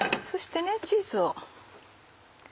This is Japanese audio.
そしてチーズを。